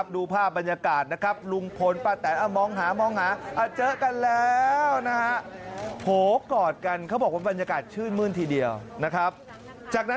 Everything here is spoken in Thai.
ดูภาพบรรยากาศลุงพลป้าแตนมองหา